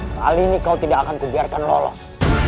kali ini kau tidak akan kubiarkan lolos